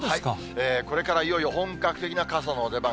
これからいよいよ本格的な傘の出番。